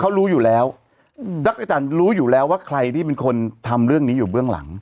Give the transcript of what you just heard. เขารู้อยู่แล้วอาจารย์รู้อยู่แล้วว่าใครที่เป็นคนทำเรื่องนี้อยู่เบื้องหลัง